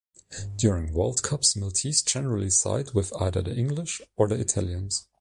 During World Cups Maltese generally side with either the English or the Italians.